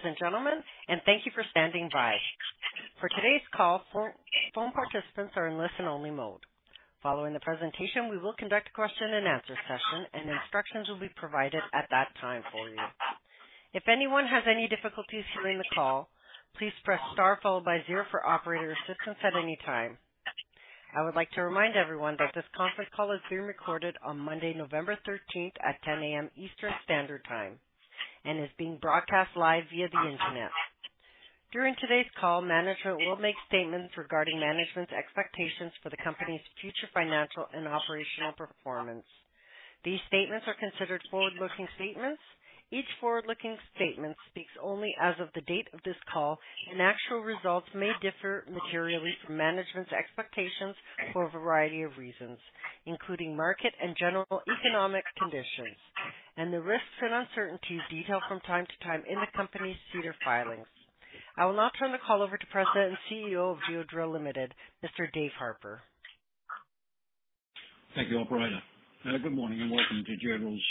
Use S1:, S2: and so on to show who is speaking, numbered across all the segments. S1: Ladies and gentlemen, and thank you for standing by. For today's call, phone participants are in listen-only mode. Following the presentation, we will conduct a question and answer session, and instructions will be provided at that time for you. If anyone has any difficulties hearing the call, please press star followed by zero for operator assistance at any time. I would like to remind everyone that this conference call is being recorded on Monday, November 13th, at 10 A.M. Eastern Standard Time, and is being broadcast live via the Internet. During today's call, management will make statements regarding management's expectations for the company's future financial and operational performance. These statements are considered forward-looking statements. Each forward-looking statement speaks only as of the date of this call, and actual results may differ materially from management's expectations for a variety of reasons, including market and general economic conditions, and the risks and uncertainties detailed from time to time in the company's SEDAR filings. I will now turn the call over to President and CEO of Geodrill Limited, Mr. Dave Harper.
S2: Thank you, operator. Good morning, and welcome to Geodrill's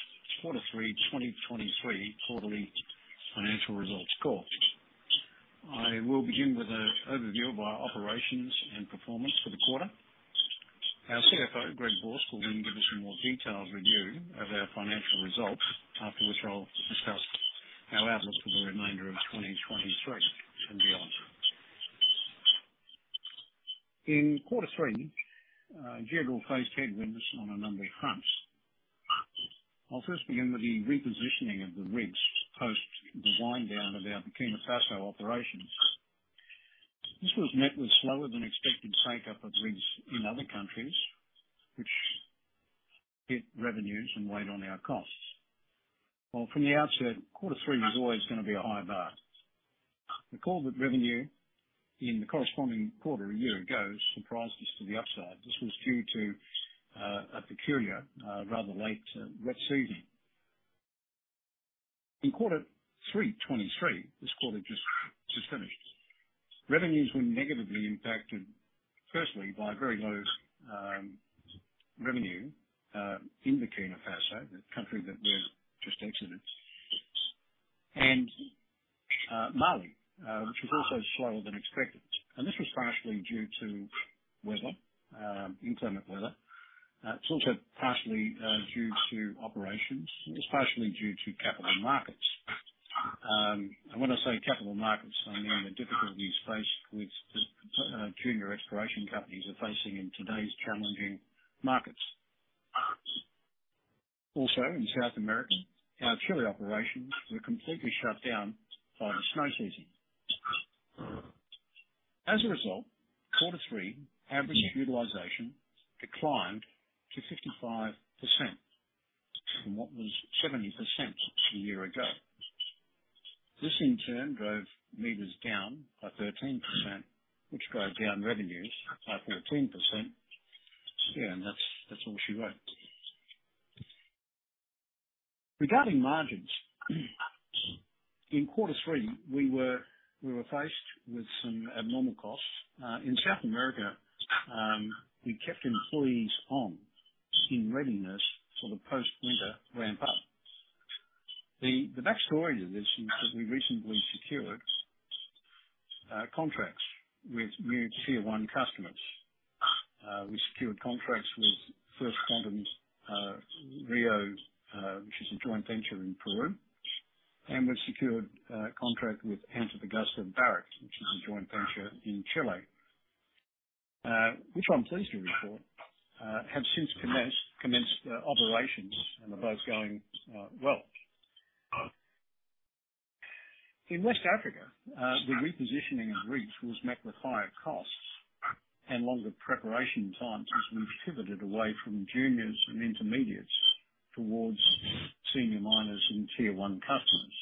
S2: quarter three 2023 quarterly financial results call. I will begin with an overview of our operations and performance for the quarter. Our CFO, Greg Borsk, will then give us a more detailed review of our financial results, after which I'll discuss our outlook for the remainder of 2023 and beyond. In quarter three, Geodrill faced headwinds on a number of fronts. I'll first begin with the repositioning of the rigs post the wind down of our Burkina Faso operations. This was met with slower than expected take-up of rigs in other countries, which hit revenues and weighed on our costs. Well, from the outset, quarter three was always gonna be a high bar. The call with revenue in the corresponding quarter a year ago surprised us to the upside. This was due to a peculiar rather late wet season. In quarter three 2023, this quarter just finished. Revenues were negatively impacted, firstly by very low revenue in Burkina Faso, the country that we've just exited. And Mali, which was also slower than expected, and this was partially due to weather, inclement weather. It's also partially due to operations. It's partially due to capital markets. And when I say capital markets, I mean the difficulties faced with junior exploration companies are facing in today's challenging markets. Also, in South America, our Chile operations were completely shut down by the snow season. As a result, quarter three average utilization declined to 55% from what was 70% a year ago. This, in turn, drove meters down by 13%, which drove down revenues by 14%. Yeah, and that's all she wrote. Regarding margins, in quarter three, we were faced with some abnormal costs. In South America, we kept employees on in readiness for the post-winter ramp up. The back story to this is that we recently secured contracts with new Tier 1 customers. We secured contracts with First Quantum, Rio, which is a joint venture in Peru, and we've secured a contract with Antofagasta Barrick, which is a joint venture in Chile. Which I'm pleased to report have since commenced operations and are both going well. In West Africa, the repositioning of rigs was met with higher costs and longer preparation times as we pivoted away from juniors and intermediates towards senior miners and Tier One customers.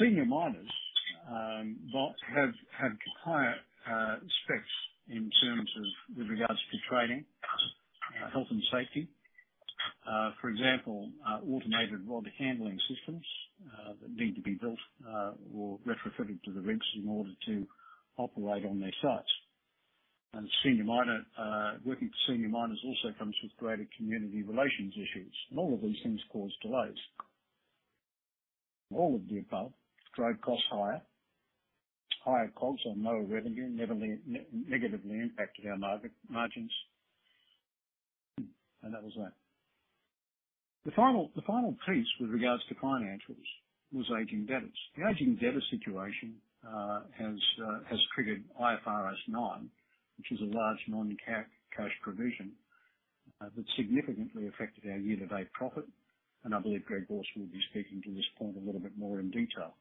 S2: Senior miners have higher specs in terms of with regards to training, health and safety. For example, automated rod handling systems that need to be built or retrofitted to the rigs in order to operate on their sites. Working with senior miners also comes with greater community relations issues, and all of these things cause delays. All of the above drove costs higher. Higher costs on lower revenue negatively impacted our market margins, and that was that. The final piece with regards to financials was aging debtors. The aging debtor situation has triggered IFRS 9, which is a large non-cash provision that significantly affected our year-to-date profit, and I believe Greg Borsk will be speaking to this point a little bit more in detail.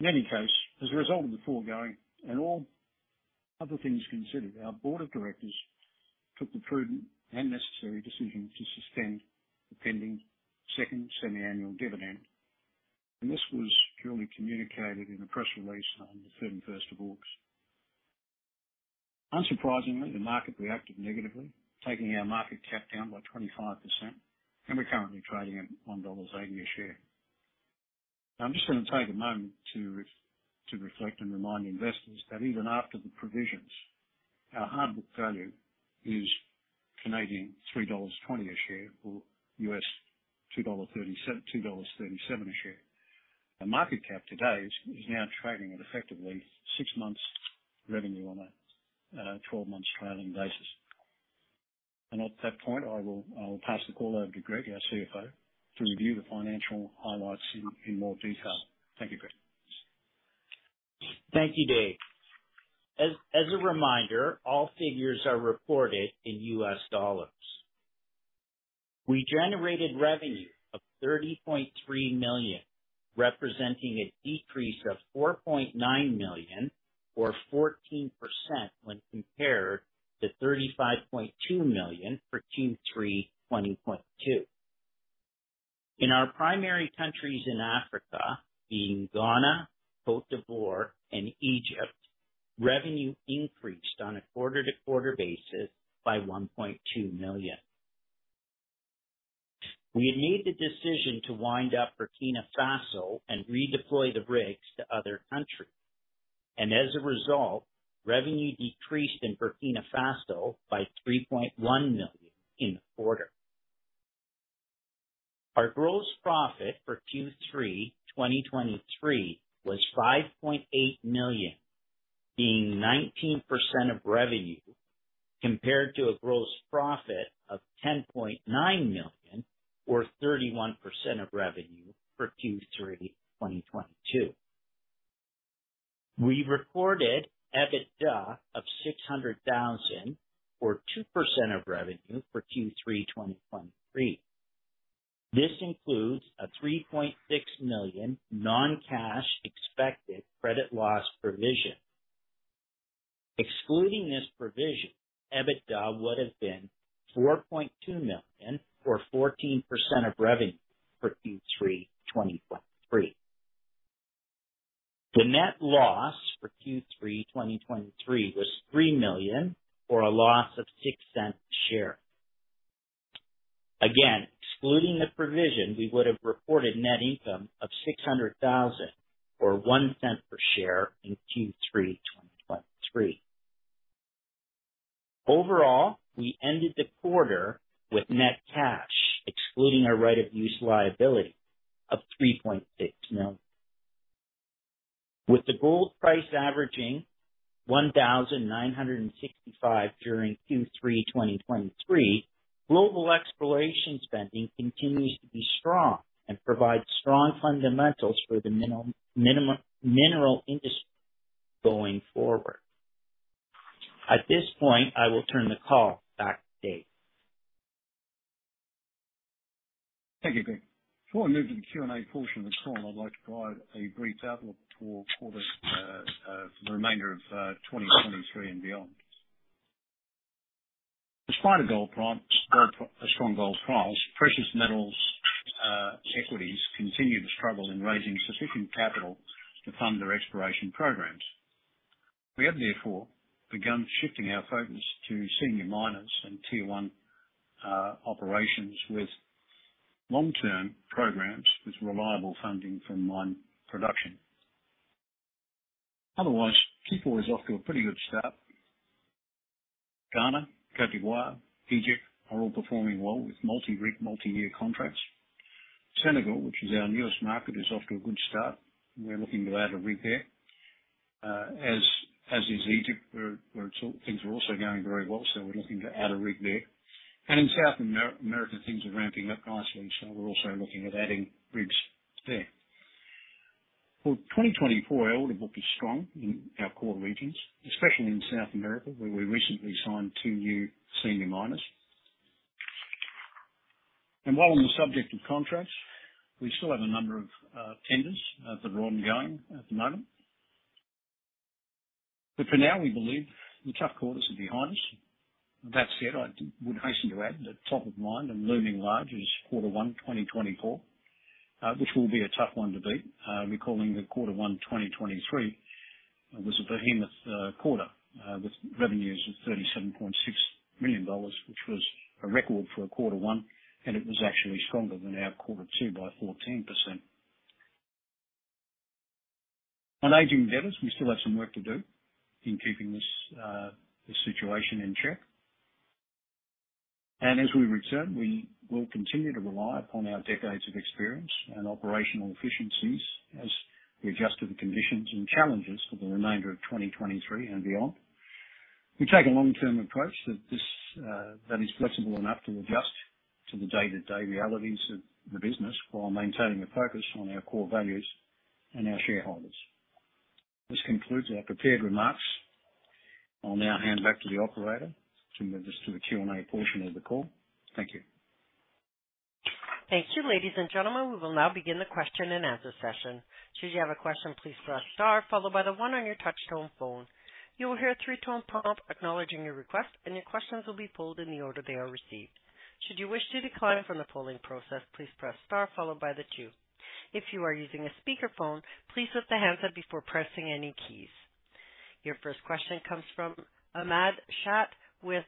S2: In any case, as a result of the foregoing and all other things considered, our board of directors took the prudent and necessary decision to suspend the pending second semiannual dividend. This was purely communicated in a press release on the August 31st. Unsurprisingly, the market reacted negatively, taking our market cap down by 25%, and we're currently trading at $1.80 a share. I'm just gonna take a moment to reflect and remind investors that even after the provisions. Our hard book value is 3.20 Canadian dollars a share, or $2.37, $2.37 a share. Our market cap today is now trading at effectively six months revenue on a 12-month trailing basis. At that point, I will pass the call over to Greg, our CFO, to review the financial highlights in more detail. Thank you, Greg.
S3: Thank you, Dave. As a reminder, all figures are reported in US dollars. We generated revenue of $30.3 million, representing a decrease of $4.9 million, or 14% when compared to $35.2 million for Q3 2022. In our primary countries in Africa, being Ghana, Côte d'Ivoire, and Egypt, revenue increased on a quarter-to-quarter basis by $1.2 million. We made the decision to wind up Burkina Faso and redeploy the rigs to other countries. And as a result, revenue decreased in Burkina Faso by $3.1 million in the quarter. Our gross profit for Q3 2023 was $5.8 million, being 19% of revenue, compared to a gross profit of $10.9 million, or 31% of revenue for Q3 2022. We recorded EBITDA of $600,000, or 2% of revenue, for Q3 2023. This includes a $3.6 million non-cash expected credit loss provision. Excluding this provision, EBITDA would have been $4.2 million, or 14% of revenue for Q3 2023. The net loss for Q3 2023 was $3 million, or a loss of $0.06 a share. Again, excluding the provision, we would have reported net income of $600,000, or $0.01 per share, in Q3 2023. Overall, we ended the quarter with net cash, excluding our right of use liability, of $3.6 million. With the gold price averaging 1,965 during Q3 2023, global exploration spending continues to be strong and provides strong fundamentals for the mineral industry going forward. At this point, I will turn the call back to Dave.
S2: Thank you, Greg. Before I move to the Q&A portion of the call, I'd like to provide a brief outlook for the remainder of 2023 and beyond. Despite a strong gold price, precious metals equities continue to struggle in raising sufficient capital to fund their exploration programs. We have therefore begun shifting our focus to senior miners and Tier 1 operations with long-term programs with reliable funding from mine production. Otherwise, Q4 is off to a pretty good start. Ghana, Côte d'Ivoire, Egypt, are all performing well with multi-rig, multi-year contracts. Senegal, which is our newest market, is off to a good start. We're looking to add a rig there, as is Egypt, where things are also going very well, so we're looking to add a rig there. In South America, things are ramping up nicely, so we're also looking at adding rigs there. For 2024, our order book is strong in our core regions, especially in South America, where we recently signed two new senior miners. While on the subject of contracts, we still have a number of tenders that are ongoing at the moment. But for now, we believe the tough quarters are behind us. That said, I would hasten to add that top of mind and looming large is quarter one, 2024, which will be a tough one to beat. Recalling that quarter one, 2023, was a behemoth quarter with revenues of $37.6 million, which was a record for a quarter one, and it was actually stronger than our quarter two by 14%. On aging debtors, we still have some work to do in keeping this, this situation in check. As we return, we will continue to rely upon our decades of experience and operational efficiencies as we adjust to the conditions and challenges for the remainder of 2023 and beyond. We take a long-term approach that this, that is flexible enough to adjust to the day-to-day realities of the business, while maintaining a focus on our core values and our shareholders. This concludes our prepared remarks. I'll now hand back to the operator to move us to the Q&A portion of the call. Thank you.
S1: Thank you, ladies and gentlemen. We will now begin the question-and-answer session. Should you have a question, please press star followed by the one on your touchtone phone. You will hear a three-tone pop acknowledging your request, and your questions will be pulled in the order they are received. Should you wish to decline from the polling process, please press star followed by the two. If you are using a speakerphone, please lift the handset before pressing any keys. Your first question comes from Ahmad Shaath with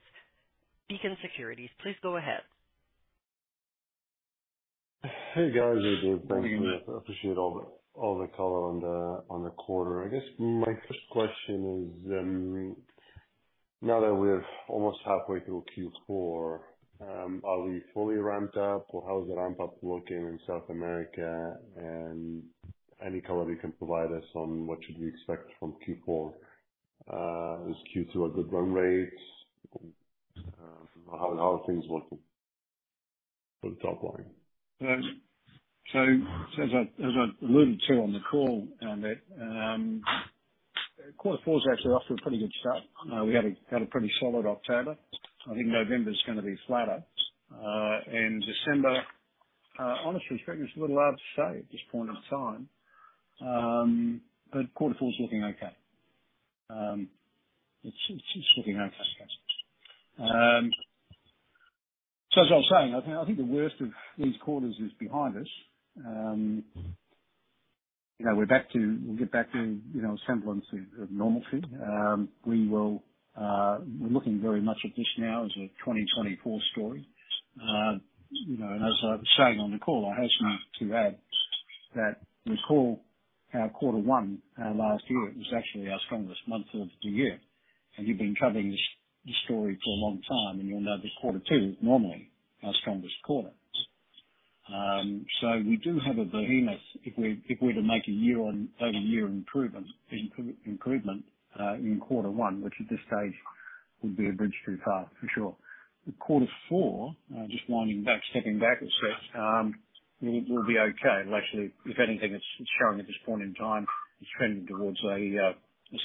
S1: Beacon Securities. Please go ahead.
S4: Hey, guys, hey, Dave. Thank you. I appreciate all the, all the color on the, on the quarter. I guess my first question is, now that we're almost halfway through Q4, are we fully ramped up, or how is the ramp up looking in South America? And any color you can provide us on what should we expect from Q4? Was Q2 a good run rate? How, how are things looking for the top line?
S2: As I alluded to on the call, Ahmad, quarter four is actually off to a pretty good start. We had a pretty solid October. I think November's gonna be flatter. And December, honestly, it's a little hard to say at this point in time, but quarter four's looking okay. It's looking okay. So as I was saying, I think the worst of these quarters is behind us. You know, we're back to—we'll get back to, you know, a semblance of normalcy. We're looking very much at this now as a 2024 story. You know, and as I was saying on the call, I hasten to add that recall our quarter one last year, it was actually our strongest month of the year. You've been covering this, this story for a long time, and you'll know that quarter two is normally our strongest quarter. So we do have a behemoth. If we, if we were to make a year-over-year improvement in quarter one, which at this stage would be a bridge too far, for sure. Quarter four, just winding back, stepping back a step, we will be okay. Well, actually, if anything, it's showing at this point in time, it's trending towards a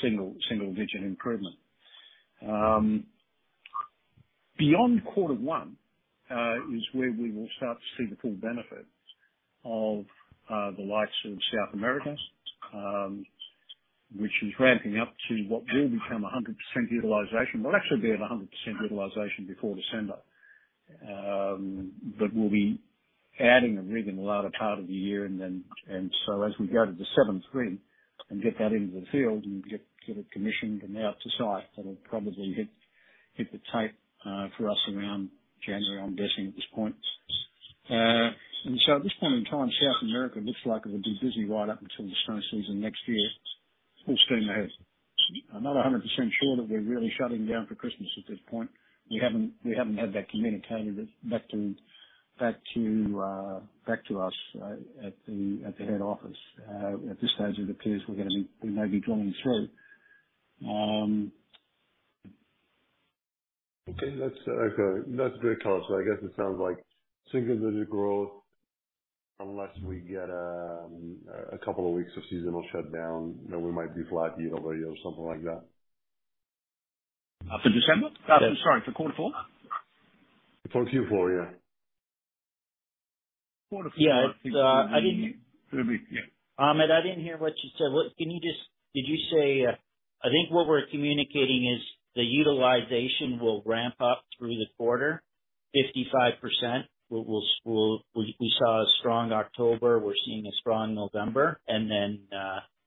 S2: single-digit improvement. Beyond quarter one is where we will start to see the full benefit of the likes of South America, which is ramping up to what will become 100% utilization. We'll actually be at 100% utilization before December. But we'll be adding a rig in the latter part of the year, and then, and so as we go to the seventh rig and get that into the field and get it commissioned and out to site, that'll probably hit the tape for us around January, I'm guessing, at this point. And so at this point in time, South America looks like it will be busy right up until the snow season next year. Full steam ahead. I'm not 100% sure that we're really shutting down for Christmas at this point. We haven't had that communicated back to us at the head office. At this stage, it appears we're gonna be-- we may be drilling through.
S4: Okay, that's okay. That's great color. So I guess it sounds like single-digit growth, unless we get a couple of weeks of seasonal shutdown, then we might be flat year-over-year or something like that.
S2: For December?
S4: Yes.
S2: I'm sorry, for quarter four?
S4: For Q4, yeah.
S2: Quarter four-
S3: Yeah, it's, I didn't-
S4: Yeah.
S3: Ahmad, I didn't hear what you said. What-- Can you just-- Did you say-- I think what we're communicating is the utilization will ramp up through the quarter, 55%. We saw a strong October, we're seeing a strong November, and then,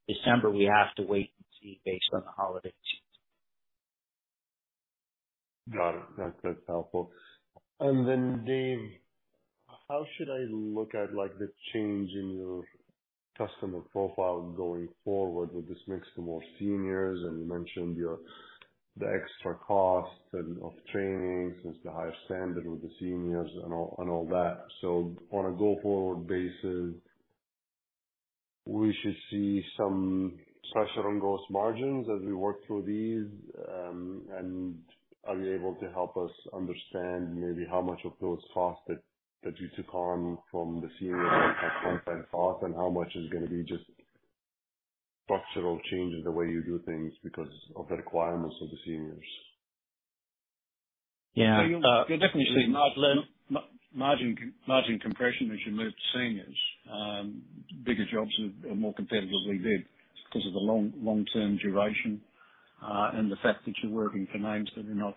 S3: December, we have to wait and see based on the holiday season.
S4: Got it. That, that's helpful. And then, Dave, how should I look at, like, the change in your customer profile going forward with this mix to more seniors? And you mentioned your, the extra cost and of training since the higher standard with the seniors and all, and all that. So on a go-forward basis, we should see some pressure on gross margins as we work through these. And are you able to help us understand maybe how much of those costs that, that you took on from the senior content cost, and how much is gonna be just structural changes the way you do things because of the requirements of the seniors?
S3: Yeah-
S2: You'll definitely see margin compression as you move to seniors. Bigger jobs are more competitively bid because of the long-term duration, and the fact that you're working for names that are not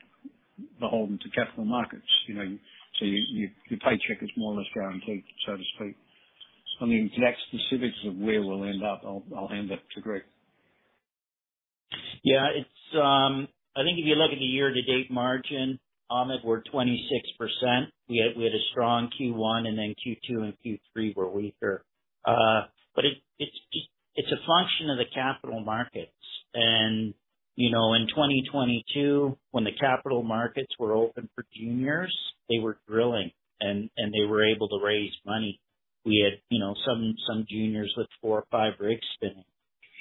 S2: beholden to capital markets, you know, so your paycheck is more or less guaranteed, so to speak. I mean, to the specifics of where we'll end up, I'll hand it to Greg.
S3: Yeah, it's-- I think if you look at the year-to-date margin, Ahmad, we're 26%. We had, we had a strong Q1, and then Q2 and Q3 were weaker. But it, it's, it's a function of the capital markets. And, you know, in 2022, when the capital markets were open for juniors, they were drilling, and, and they were able to raise money. We had, you know, some, some juniors with four or five rigs spinning.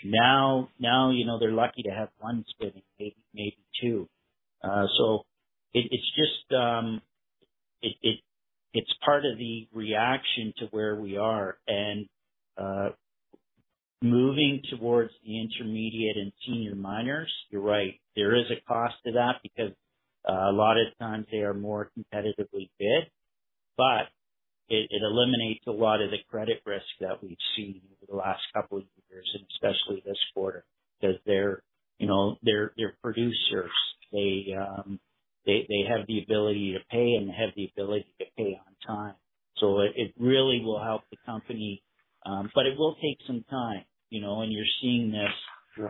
S3: Now, now, you know, they're lucky to have one spinning, maybe, maybe two. So it, it's just, it, it, it's part of the reaction to where we are. And, moving towards the intermediate and senior miners, you're right, there is a cost to that, because a lot of times they are more competitively bid. But it, it eliminates a lot of the credit risk that we've seen over the last couple of years, and especially this quarter, because they're, you know, they're, they're producers. They, they have the ability to pay and they have the ability to pay on time. So it, it really will help the company, but it will take some time, you know, and you're seeing this.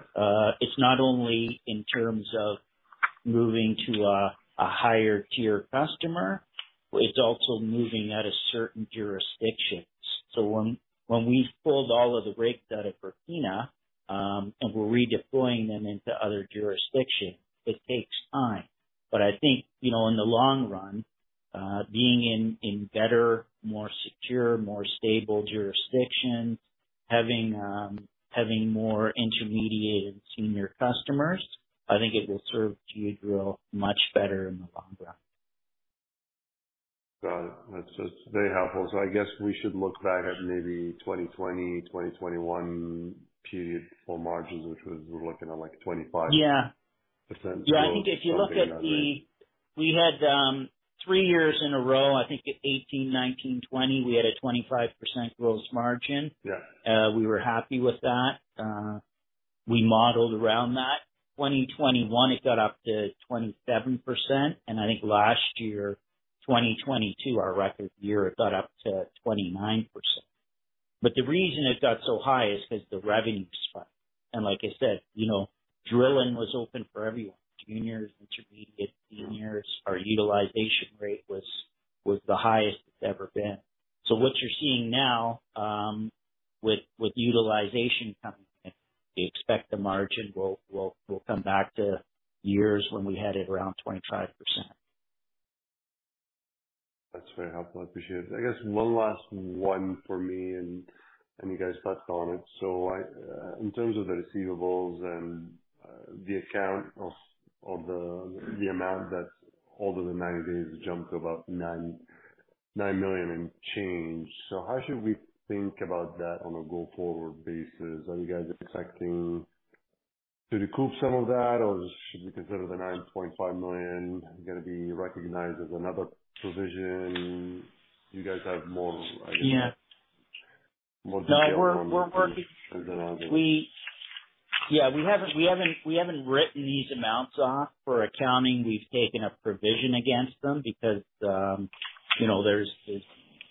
S3: It's not only in terms of moving to a, a higher tier customer. It's also moving out of certain jurisdictions. So when, when we pulled all of the rigs out of Burkina, and we're redeploying them into other jurisdictions, it takes time. But I think, you know, in the long run, being in better, more secure, more stable jurisdictions, having more intermediate senior customers, I think it will serve Geodrill much better in the long run.
S4: Got it. That's, that's very helpful. So I guess we should look back at maybe 2020, 2021 period for margins, which was, we're looking at like a 25%.
S3: Yeah. Yeah, I think if you look at the, we had three years in a row, I think, 2018, 2019, 2020, we had a 25% gross margin.
S4: Yeah.
S3: We were happy with that. We modeled around that. 2021, it got up to 27%, and I think last year, 2022, our record year, it got up to 29%. But the reason it got so high is because the revenue spiked. And like I said, you know, drilling was open for everyone, juniors, intermediate, seniors. Our utilization rate was the highest it's ever been. So what you're seeing now, with utilization coming back, we expect the margin will come back to years when we had it around 25%.
S4: That's very helpful. I appreciate it. I guess one last one for me, and you guys touched on it. So I in terms of the receivables and the amount that's older than 90 days jumped about $9.9 million and change. So how should we think about that on a go-forward basis? Are you guys expecting to recoup some of that, or should we consider the $9.5 million gonna be recognized as another provision? Do you guys have more-
S3: Yeah.
S4: More detail on this?
S3: No, we're working. We... Yeah, we haven't written these amounts off. For accounting, we've taken a provision against them because, you know, there's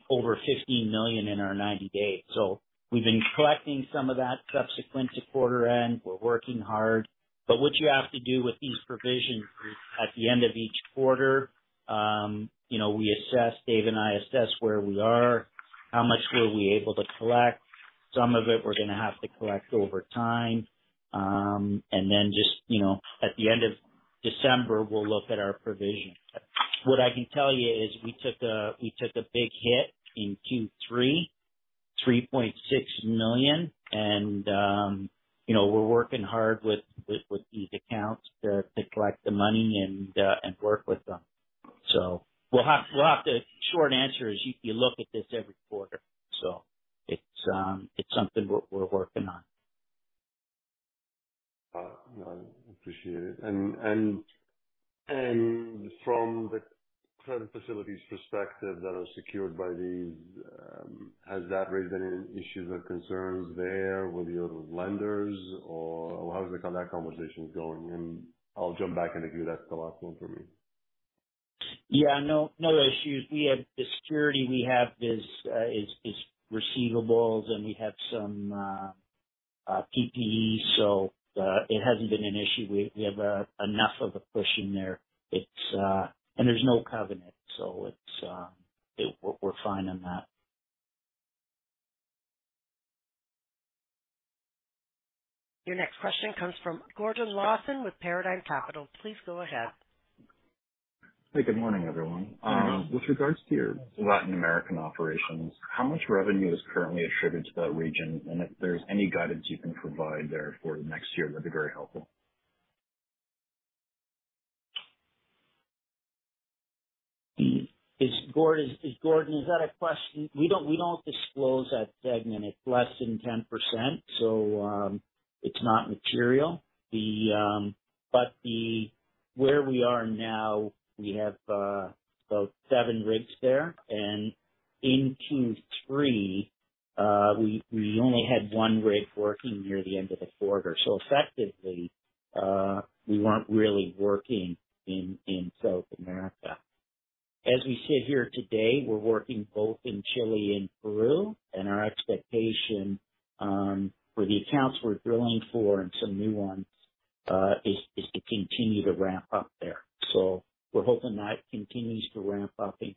S3: over $15 million in our 90 days. So we've been collecting some of that subsequent to quarter end. We're working hard, but what you have to do with these provisions is, at the end of each quarter, you know, we assess, Dave and I assess where we are, how much were we able to collect. Some of it we're gonna have to collect over time. And then just, you know, at the end of December, we'll look at our provision. What I can tell you is we took a big hit in Q3, $3.6 million, and, you know, we're working hard with these accounts to collect the money and work with them. So we'll have to-- Short answer is, you look at this every quarter, so it's something we're working on.
S4: No, I appreciate it. And from the credit facilities perspective that are secured by these, has that raised any issues or concerns there with your lenders, or how are the that conversation going? And I'll jump back in the queue. That's the last one for me.
S3: Yeah. No, no issues. We have the security we have is receivables, and we have some PPE, so it hasn't been an issue. We have enough of a cushion there. It's. And there's no covenant, so it's, we're fine on that.
S1: Your next question comes from Gordon Lawson with Paradigm Capital. Please go ahead.
S5: Hey, good morning, everyone.
S3: Good morning.
S5: With regards to your Latin American operations, how much revenue is currently attributed to that region? If there's any guidance you can provide there for the next year, that'd be very helpful.
S3: Is Gordon, is that a question? We don't disclose that segment. It's less than 10%, so, it's not material. But where we are now, we have about seven rigs there, and in Q3, we only had one rig working near the end of the quarter. So effectively, we weren't really working in South America. As we sit here today, we're working both in Chile and Peru, and our expectation for the accounts we're drilling for, and some new ones, is to continue to ramp up there. So we're hoping that continues to ramp up in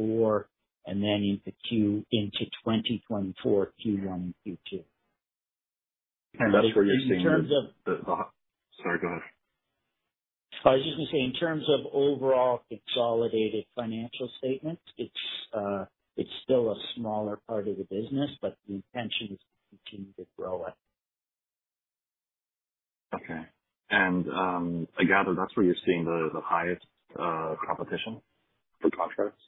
S3: Q4, and then into 2024, Q1 and Q2.
S5: And that's where you're seeing the-
S3: In terms of-
S5: Sorry, go ahead.
S3: I was just gonna say, in terms of overall consolidated financial statements, it's, it's still a smaller part of the business, but the intention is to continue to grow it.
S5: Okay. And, I gather that's where you're seeing the highest competition for contracts?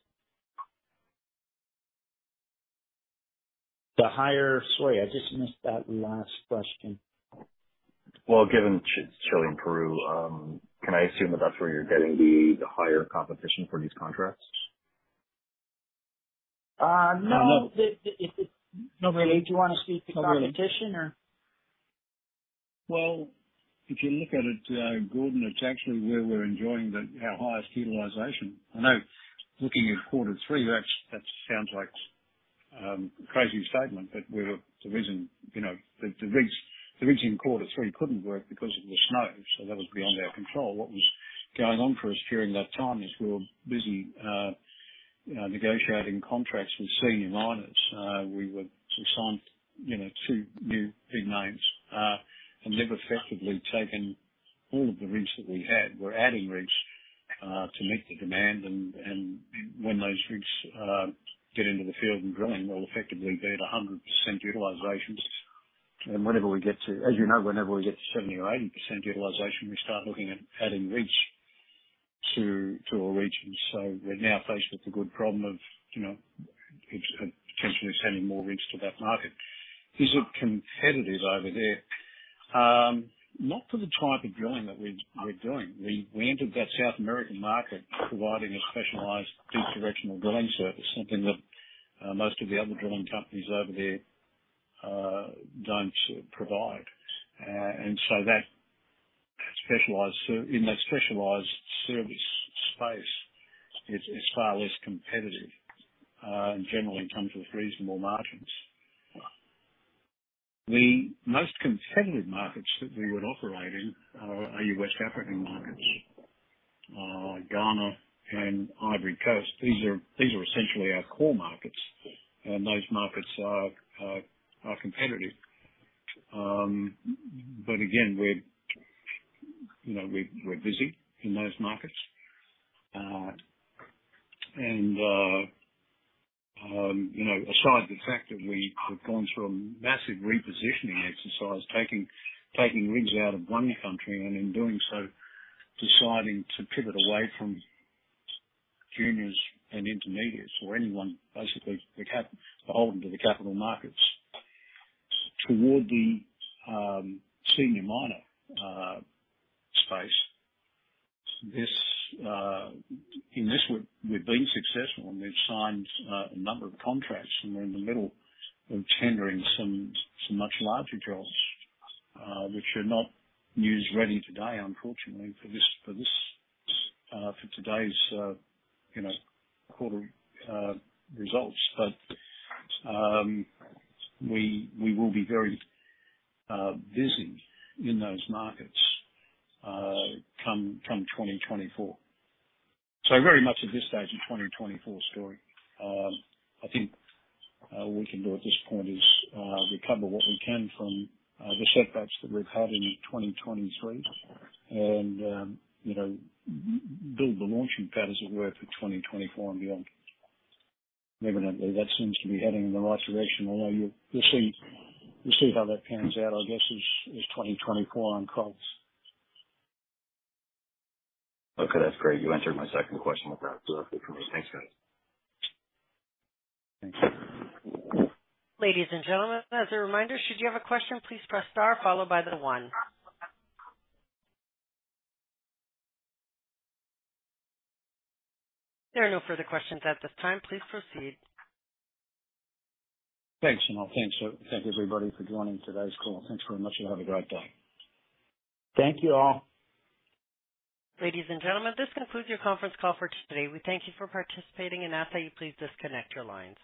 S3: Sorry, I just missed that last question.
S5: Well, given Chile and Peru, can I assume that that's where you're getting the higher competition for these contracts?
S3: No. Not really. Do you want to speak to competition or?
S2: Well, if you look at it, Gordon, it's actually where we're enjoying our highest utilization. I know looking at quarter three, that sounds like crazy statement, but we were the reason, you know, the, the rigs, the rig in quarter three couldn't work because of the snow, so that was beyond our control. What was going on for us during that time is we were busy, you know, negotiating contracts with senior miners. We would sign, you know, two new big names, and they've effectively taken all of the rigs that we had. We're adding rigs, to meet the demand, and, and when those rigs get into the field and drilling, we'll effectively be at 100% utilizations. And whenever we get to-- As you know, whenever we get to 70% or 80% utilization, we start looking at adding rigs to, to our regions. So we're now faced with the good problem of, you know, potentially sending more rigs to that market. Is it competitive over there? Not for the type of drilling that we're doing. We entered that South American market providing a specialized deep directional drilling service, something that most of the other drilling companies over there don't provide. And so that specialized service in that specialized service space is far less competitive and generally comes with reasonable margins. The most competitive markets that we would operate in are your West African markets, Ghana and Ivory Coast. These are essentially our core markets, and those markets are competitive. But again, you know, we're busy in those markets. You know, aside from the fact that we have gone through a massive repositioning exercise, taking rigs out of one country, and in doing so, deciding to pivot away from juniors and intermediates or anyone, basically, capital-beholden to the capital markets toward the senior miner space. In this, we've been successful, and we've signed a number of contracts, and we're in the middle of tendering some much larger drills, which are not news ready today, unfortunately, for today's you know quarter results. But we will be very busy in those markets come from 2024. So very much at this stage, a 2024 story. I think what we can do at this point is recover what we can from the setbacks that we've had in 2023 and, you know, build the launching pad, as it were, for 2024 and beyond. Evidently, that seems to be heading in the right direction, although we'll see, we'll see how that pans out, I guess, as 2024 unfolds.
S5: Okay, that's great. You answered my second question with that. So thanks, guys.
S2: Thank you.
S1: Ladies and gentlemen, as a reminder, should you have a question, please press star followed by the one. There are no further questions at this time. Please proceed.
S2: Thanks, Jamal. Thanks, everyone. Thank you, everybody, for joining today's call. Thanks very much, and have a great day. Thank you, all.
S1: Ladies and gentlemen, this concludes your conference call for today. We thank you for participating and ask that you please disconnect your lines.